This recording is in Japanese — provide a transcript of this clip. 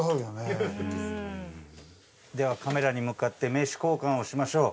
ではカメラに向かって名刺交換をしましょう。